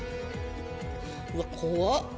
うわ怖っ！